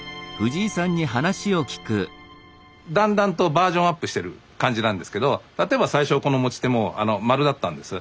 だんだんとバージョンアップしてる感じなんですけど例えば最初はこの持ち手も丸だったんです。